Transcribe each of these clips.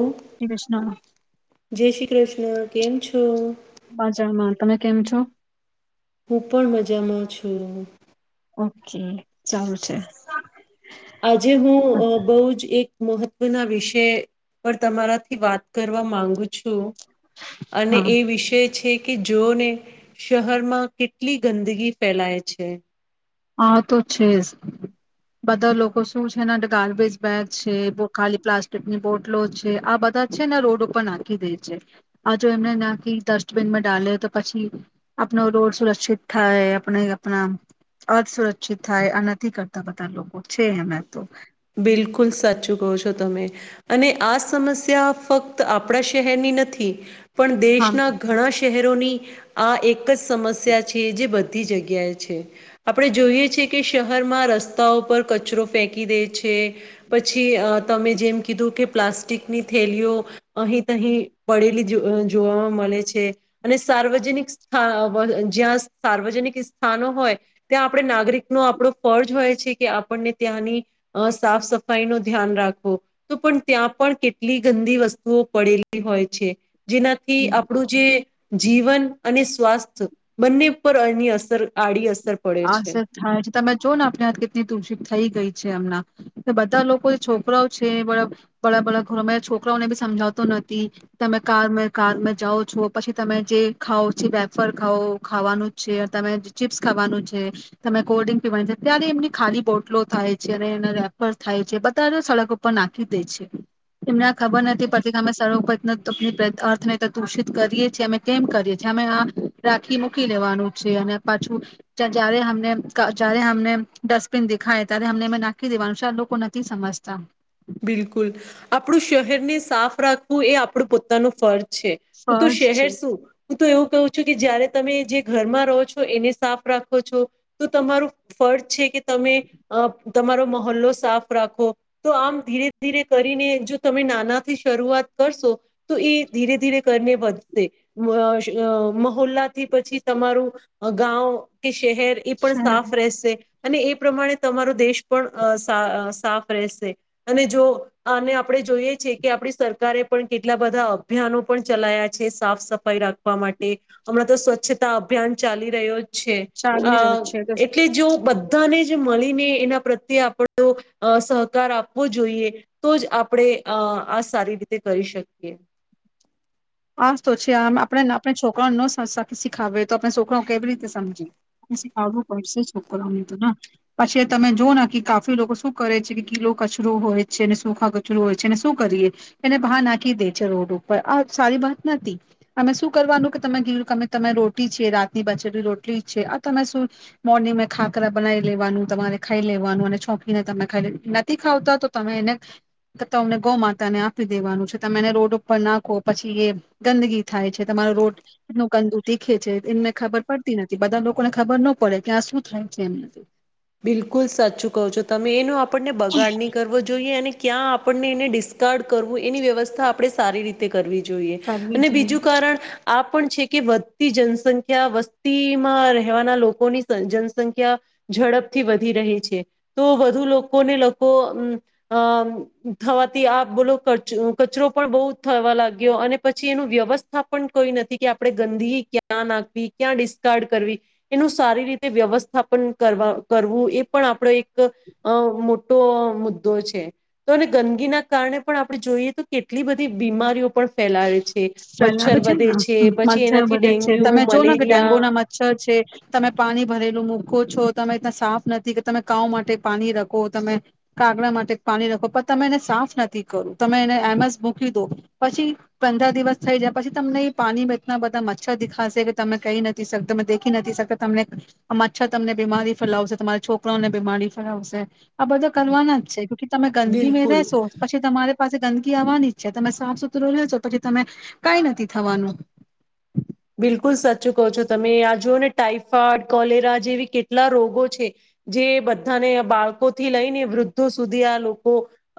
ઓ કૃષ્ણ જય શ્રી કૃષ્ણ કેમ છો બાજામાં તમે કેમ છો હું પણ મજામાં છો રું ઓકે સાલું છે આજે હું બહ જ એક મહત્વના વિષય પર તમારાથી વાત કરવા માંગુ છું અને હા એ વિષય છે કે જોને શહેરમાં કેટલી ગંદગી ફેલાય છે હા તો છે બધા લોકો શું છેને ગાર્બેજ બેગ છે ખાલી પ્લાસ્ટિકની બોટલો છે આ બધા છેને રોડ ઉપર નાખી દે છે આ જો એમને નાખી ડસ્ટબીનમાં ડાલે તો પછી આપનો રોડ સુરક્ષિત થાય આપણે આપણા અ સુુરક્ષિત થાય આ નથી કરતા બધા લોકો છે હમ બિલકુલ સાચું કહો છો તમે અને આ સમસ્યા ફક્ત આપણા શહેરની નથી પણ હા દેશના ઘણા શહેર ની આ એક એક જ સમસ્યા છે જે બધા બધી જગ્યાએ છે આપણે જોઈએ છેએ કે શહેરમાં રસ્તાઓ પર કચરો ફેંકી દે છે પછી તમે જેમ કીધું કે પ્લાસ્ટિકની થેલીઓ અહીં તહી પડેલી જોવાવામાં મળે છે અને સાર્વજનિક સ્થ જ્યાં સાર્વજનિક સ્થાનો હોય ત્યાં આપણે નાગરિક નો આપણો ફરજ હોય છે કે આપણને ત્યાંની અ સાફ સફાઈ નું ધ્યાન રાખો તો પણ ત્યાં પણ કેટલી ગંદી વસ્તુઓ પડેલી હોય છે જેનાથી આપણું જે જીવન અને સ્વાસ્થ્ય બંને પર અની અસર આડી અસર પડે આ છે સર થાય છે તમે જો ને આપણે હ કેટલી તુષ થઈ ગઈ એમના બધા લોકો જે છોકરાઓ છે બ બળા ઘરોમાં છોકરાઓને બી સમજાવતો નથી તમે કાર કાર જાઓ છો પછી તમે જે ખાઓ જે વેફર ખાવઓ ખાવાનું છે તમે ચીપ્સ ખાવાનું છે તમે કોલ્ડ ડ્રિક પીવાની છે ત્યારે એમની ખાલી બોટલો થાય છે અને એને રેફર થાય છે બધા સડક ઉપર નાખી દે છે, એમને આ ખબર નથી પડતી કે અમે સક ઉપ અર્થને દૂષિત કરીએ છીએ અમે કેમ કરીએ છીએ અમે આ, રાખી મૂકી લેવાનું છે અને પાછું જ્યારેમને જય્યારે અમને ડસ્ટબિન દેખાય ત્યારે અમને નાખી દેવાનું છે લોકો નથી સમજતા. બિલકુલ, આપણું શહેરને સાફ રાખવું એ આપણું પોતાનું ફર્જ છે, હું તો ફર્જ શહેર છે શું હું તો એવું ક કે જયારે તમે જે ઘરમાં રહો છો એને સાફ રાખો છો, તો તમારું ફર્જ છે કે તમે, તમારો મહહોલ્લો સાફ રાખો તો આમ ધીરે ધી કરીને જો તમે નાનાથી શરૂઆત કરશો, તો એ ધીરે ધીરે કરીને વધશે, મહોલ્લા થી પછી તમારું, ગાવ કે શહેર એ પણ સાફ રહેશે, અને એ પ્રમાણે તમારો દેશ પણ સાફ રહેશે. અને જો આને આપણે જોઈએ છેએ કે આપણી સરકારે પણ કેટલા બધા અભિયાનો પણ ચલાયા છે સાફ સફાઈ રાખવા માટે, હમણાં તો સ્વચ્છતા અભિયાન ચાલી રહ્યો છે, અ ચાલી રહ્યું છે એટલે જો બધ બધાને જ મળીને એના પ્રત્યે આપણો, સહકાર આપ આપ જોઈએ, તો જ આપણે આ સારી રીતે કરી શકીએ. આજ તો છે આમ આપણે આપણે છોકરાઓને ન સીખાવ તો આપણે છોકરા કેવી રીતે સમજીએ, શીખાડવું પડશે છોકરાને, તો પછી તમે જો ના કે કાફી લોકો શું કરે છે કે કીલો કચરો હોય છેને સુખા કચરોું હોય છેને શું કરીએ, એને બહાર નાખી દે છે રોડ ઉપર આ સારી વાત નથી, અમે શું કરવાનું કે તમે કીધું કે અમે તમે રોટી છી રાતની બચેલી રોટલી છે આ તમે શું, મોર્નિંગ ખાકરા બનાવી લેવાનું તમારે ખાઈ લેવાનું અને છોકીને તમે ખાઈ નથી ખાવતા તો તમે એને તમને, ગૌ માતાને આપી દેવાનું છે તમે એને રોડ ઉપર નાખો પછી એ ગંદગી થાય છે તમારો રોડ, કેટલું ગંદુ તીખે છે એમને ખબર પડતી નથી બધા લોકોને ખબર ન પડે કે આ શું થાય છે એમ નથી. બિલકુલ સાચું કહો છો તમે એનું આપણને બગાડ નહી કરવો જોઈએ અને ક્યાં આપણને એને ડિસ્કાર્ડ કરવું એની વ્યવસ્થા આપડણે સારી રીતે કરવી છે. જોઈએ, કરવી અને જોઈએ બીજું કારણ આ પણ છે કે વધતી જનસંખ્યા વસ્તીમાં રહેવાના લોકોની જનસંખ્યા, ઝડપ થી વધી રહી છે, તો વધુ લોકોને લોકો અમ અમ થવાથી આ બોલો કચરો પણ બહુ થવા લાગ્યો અને પછી એનું વ્યવસ્થાપન કોઈ નથી કે આપણે ગંદગી ક્યાં નાખવી ક્યાં ડિસ્કાર્ડ કરવી, એનું સારી રીતે વ્યવસ્થાપન કરવા કરવું એ પણ આપડો એક, અ મોટો મુદ્દો છે, તો ગંદગીના કારણે પણ આપણે જોઈએ તો કેટલી બધી બીમારીઓ પણ ફેલાવે છે. મચ્છર પેલા છે વધે ને પછી મચ્છર એનાથી બધે છે ડેન્ગ્યુ તમે જો ને કે ડેન્ગુ મલેરિયા ના મચ્છર છે, તમે પાણી ભરેલું મૂકો છો તમે એના સાફ નથી કે તમે કાઉ માટે પાણી રાખો તમે, કાગડા માટે પાણી રખો પણ તમે એને સાફ નથી કરો, તમે એને એમ જ મૂકી દો, પછી પંદર દિવસ થઈ જયા પછી તમને એ પાણીમાં એટલા બધા મચ્છર દેખાશે કે તમે કઈ નથી શક તમે દેખી નથી શકતા તમને આ મચ્છર તમને બીમારી ફેલાવશે તમારા છોકરાઓને બીમારી ફેલાવશે. આ બધો કરવાના જ છે ક તમે ગંદગી મે બિલકુલ રહેશો પછી તમારે પાસે ગંદગી આવવાની જ છે તમે સાફ સુથરો લેજો પછી તમે કઈ નથી થવાનું. બિલકુલ સચું કહો છો તમે આ જુઓ ને ટાાઈફોઇડ કોલેરા જેવી કેટલા રોગો છે, જે બધાને બાળકોથી લઈને વૃદ્ધો સુધી આ લોકો,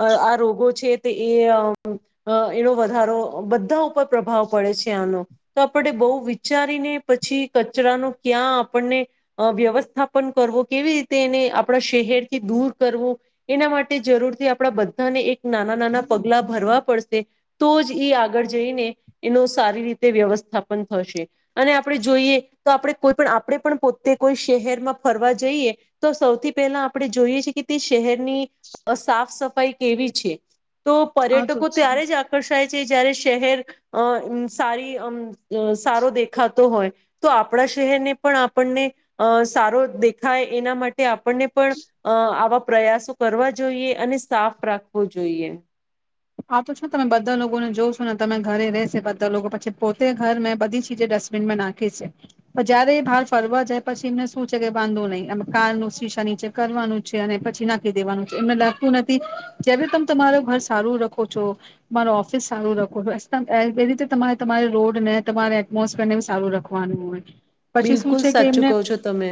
આ રોગો છે તે એ એનો વધારો બધા ઉપર પ્રભાવ પડે છે આનો. આપણે બહુ વિચારીને પછી કચરાનું ક્યાં આપણને, વ્યવસ્થાપન કરવું કેવી રીતે એને આપણા શહેરથી દૂર કરવું, એના માટે જરૂરથી આપણા બધાને એક નાના નાના પગલા ભરવા પડશે, તો જ એ આગળ જઈને, એનો સારી રીતે વ્યવસ્થાપ પણ થશે. અને આપણે જોઈએ તો આપણે કોઈ પણ આપણે પણ પોતે કોઈ શહેરમાં ફરવા જઈએ, તો સૌથી પહેલા આપણે જોઈએી કે તે શહેરની સાફ સફાઈ કેવી છે. તો આવતું પર્યટકો ત્યારે છે જ આકર્ષાય જયારે શહેર, અ સારી અ સારો દેખાતો હોય, તો આપણા શહેરને પણ આપણને, અ સારો દેખાય એના માટે આપણને પણ આવા પ્રયાસો કરવા જોઈએ અને સાફ રાખવો જોઈએ. આવ તો ને તમે બધા લોકોને જો છો ને તમે ઘરે રશે બધા લોકો પછી પોતે ઘર મેં બધી ચીજે ડસ્ટબિનમાં નાખી છે, પણ જયારે એ બહાર ફરવા જાય પછી એમને શું છે કે બાંધો નહીં કાર ન શીશા નીચે કરવાનું છે અને પછી નાખી દેવાનું છે એમને લખતું નથી, જય્યારે તમે તમાર ઘર સારું ર છો, તમારો ઓફિસ સારું રાખો છો એ રીતે તમારે તમારે રોડને તમારે એટમોસફેરને બી સારું રખવાનું હોય. પછી શું બિલકુલ છે કે સાચું એમને કહ છો તમે.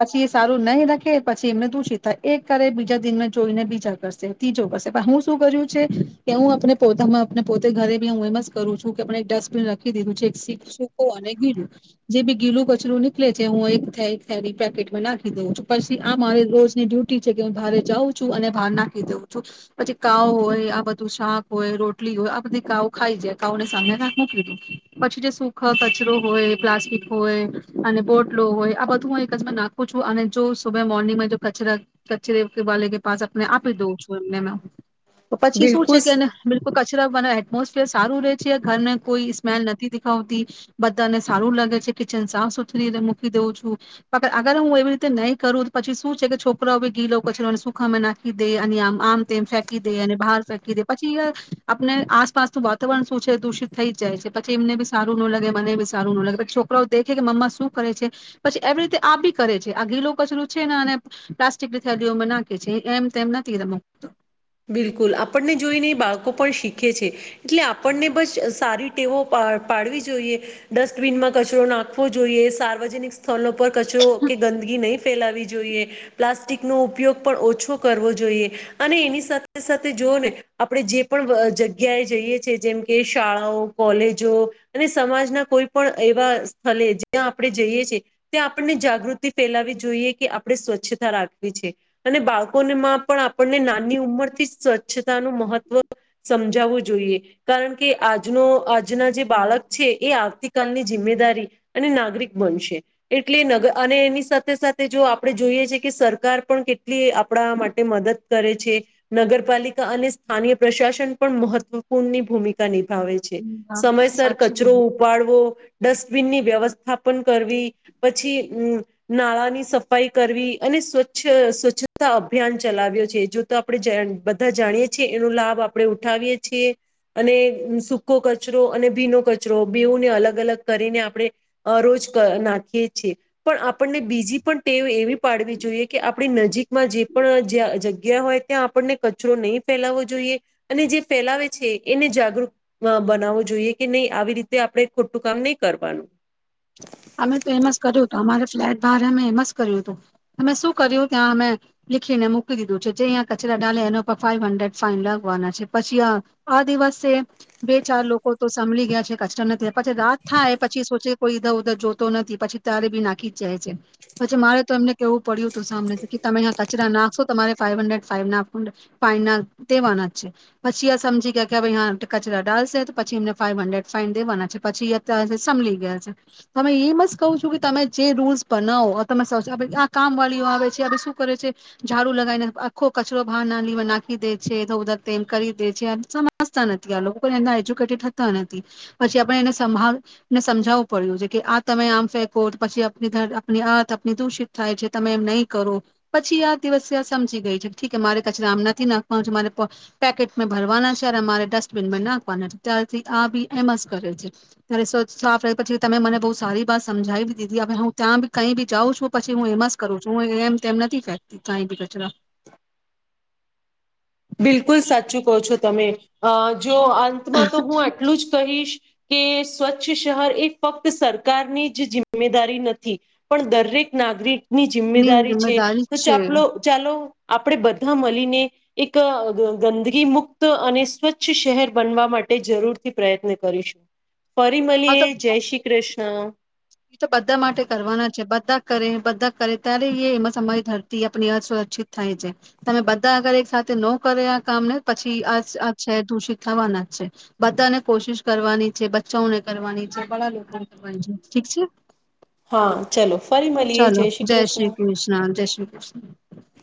પછી એ સારું નહીં રાખે પછી એમને દૂષિત થાય એક કરે બીજા દિન જોઈને બીજા કરશે ત્રીજો કરશે પણ હું શું કર્યું છે હું પોમાં પોતે ઘરે બી હું એમ જક બીજી રું છું કે ડસ્ટબિન રાખી દીધું છે સકો અને ગીલું જે બી ગીલું કચરું નીકળે છે હું પેકેટમાં નાખી દઉ છું પછી આ મારે રોજની ડ્યુટી છે કે હુંરે જાઉં છું અને બાર નાખી દઉં છ પછી કાવ હોય આ બધું શાક હોય રોટલી હોય આ બધી કાવ ખાઈ જાય કાને સા મૂકી દઉ પછી જે સુખ કચરો હોય પ્લાસ્ટિક હોય અને બોટલો હોય આ બધું હું એકજ નાખું છું અને જો સુ મોર્નિંગમાં કચરા કચરે વાલે કે પાસ આપી દઉં છું એમને. તો પછી શું છે બિલકુલ કે એને બિલકુલ કચરા મા એટમોસફિયર સારું રે છે ઘરને કોઈ સ્મેલ નથી દેખાવતી બધાને સારું લાગે છે કિચન સાફ સુથરી મૂકી દેઉં છું અગર હું એવી રીતે નહીં કરું પછી શું છે કે છોકરાઓ ઘી લઉ કચરોને સુખામાં નાખી દે અને આમ આમ તેમ ફેંકી તે અને બહાર ફેકી દે પછી આપને આસપાસનું વાતાવરણ શું છે દૂષિત થઈ જ જાય છે પછી એમને બી સારું નો લાગે મને બી સારું નો લાગે પછી છોકરાઓ દેખે કે મમ્મા શું કરે છે પછી એવી રીતે આ બી કરે છે આ ગીલો કચરો છે ને અને પ્લાસ્ટિકની થેલીઓમાં નાખે છે એમ તેમ નથી મુકતો. બિલકુલ આપણને જોઈને એ બાળકો પણ શીખે છે એટલે આપણને બસ સારી ટેવો પા પાડવી જોઈએ ડસ્ટબિનમાં કચરો નાખવો જોઈએ સાર્વજનિક સોલો પર કચરો કે ગંદગી ફેલાવી જોઈ પ્લાસ્ટિક ન ઉપયોગ ઓછો કરવો જોઈએ અને સાથે સાથે જોઓ ને આપણે જે પણ જગ્યાએ જઈએ છેએ જેમ કે શાળાઓ કોલેજો અને સમાજના કોઈ પણ એવા સ્થળ જ્યાં આપણે જઈએ છેએ ત્યાં આપણને જાગૃતિ ફેલાવી જોઈએ કે આપણે સ્વચ્છતા રાખવી છે અને બાળકોમાં પણ નાની ઉંમર સ્વચ્છ નું મહત્વ સમજાવવું જોઈએ કારણ કે આજનો આજના જે બાળક છે એ આવતીકાલની જિમ્મેદારી અને નાગરિક બનશે એટલે નગ અને એની સાથે સાથે જો આપણે જોઈએ છે કે સરકાર પણ કેટલી આપણા માટે મદદ કરે છે. નગરપાલિકા અને સ્થાનય પ્રશાસન પણ મહત્વપૂર્ણની ભૂમિકા ની ભાવે છે હમ, હા સમયસર સાચી કચરો બોલી ઉપાડવો. ડસ્ટબિનની વ્યવસ્થાપન કરવી પછી નાળાની સફાઈ કરવી અને સ્વચ્છ સ્વચ્છતા અભિયાન ચલાવ્યો છે જો તો આપણે બધા જાણીએ છીએ એનો લાભ આપણે ઉઠાવીએ છીએ અને સૂકો કચરો અને ભીનો કચરો બેઉુંને અલગ અલગ કરીને આપણે રોજ નાખીએ છીએ પણ આપણને બીજી ટેવ‌ એવી પાડવી જોઈએ આપણી નજીકમાં જે પણ જ્યા જગ્યા ત્યાં આપણને કચરો નહીં ફેલાવવો જોઈએ અને જે ફેલાવે છે એને જાગૃત બનાવવો જોઈએ કે નહીં આવી રીતે આપણે ખોટું કામ નહી કરવાનું. અમે તો એમ જ કર્યું તો અમારે ભારેમે એમ જ કર્યું હતું અમે શું કર્યું ત્યાં અમે લીખીને મૂકી દીધું છે જે અહીંયા કચરા ડાલે્યા એના પર ફાઈવ હન્ડ્રેડ ફાઇન લાગવાના છે પછી આ દિવસે બે ચાર લોકો તો સાભળી ગયા છે કચરા નથી પછી રાત થાય પછી સોચે કોઈ જોતો નથી પછી તારે બી નાખી જ જાય છે, પછી મારે તો કેવું પડ્યું હતું સામને કે તમે કચરા ના તમારે ફાઈવ હન્ડ્રેડ ફાવ ના ફાન ના દેના જ છે પછી આ સમજી ગયા કે કચરા ડાલશે તો પછી એમને ફાવ હન્ડ્રેડ ફાઇન દેવાના છે પછી સમજી ગયા છે. તમે એમ જ કહું છું કે તમે જે રૂલ્સ બનાવો તમે આ કામ વાળીઓ આવે છે શું કરે છે ઝાડુ લગાવીને આખો કચરો બહાર નાલી નાખી દે છે એ ધંધા તેમ કરી દે છે સજતા નથી આ લોકોને એના એજ્યુકેટેડ થતા નથી પછી આપણે એનેભાને સમજાવવું પડ્યું છે. કે આ તમે આમ ફેંકો, પછી આપણી હાથ આપણી દૂષિત થાય છે તમે એમ નહીં કરો પછી એ દિવસે સમજી ગઈ છે. ઠીક છે, મારે કચરા આમ નથી નાખવાનો છે મારે પ પેકેટમાં ભરવાના છે. મારે ડસ્ટબિનમાં નાખવાના છે ત્યારથી આ પણ એમ જ કરે છે. ત્યારે સાફ રહે પછી તમે મને. બહુ સારી વાત સમજાવી દીધી હ હું ત્યાં બી કઈ બી જાઉં છું પછી હું એમાં જ કરું છું, હ એમ તેમ નથી ફેંકતી કઈ બી કચરા બિલકુલ સાચું કહો તમે અ જો અંતમાં તો હું આટલું જ કહીશ. કે સ્વચ્છ શહેર એ ફક્ત સરકારની જ જિમ્મેદારી નથી પણ દરેક નાગરિક ની જિમ્મેદારી છે જિમ્મેદારી જ તો છે. ચાપલો ચાલો આપણે બધા મલીને એક ગંદગી મુક્ત અને સ્વચ્છ શહેર બનવા માટે જરૂરથી પ્રયત્ન કરીશું. ફરી આ મળિએ તો જય કૃષ્ણ. એ તો બધા માટે કરવાના છે બધા કરે બધા કરે ત્યારે એ એમાં સમય ધરતી આપણી અસુરક્ષિત થાય છે. તમે બધા અગર એક સાથે ન કરે આ કામને પછી આ આ શહેર દૂષિત થવાના જ છે. બધાને કોશિશ કરવાની છે બચ્ચાઓને કરવાની છે, બડા લોકોને કરવાની છે. ઠીક છે. હા, ચલો. ચલો જય શ્રી કૃષ્ણ જય શ્રી કૃષ્ણ. [inaudible]